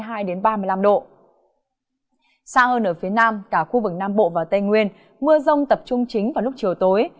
xa hơn ở phía nam cả khu vực nam bộ và tây nguyên mưa rông tập trung chính vào lúc chiều tối